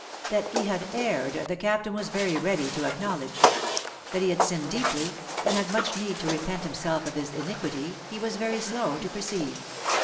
That he had erred, the Captain was very ready to acknowledge. That he had sinned deeply, and had much need to repent himself of his iniquity, he was very slow to perceive.